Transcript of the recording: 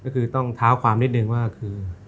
ก็คือต้องเท้าความนิดนึงว่าคือ